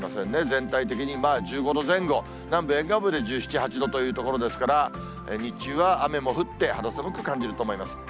全体的に１５度前後、南部、沿岸部で１７、８度というところですから、日中は雨も降って、肌寒く感じると思います。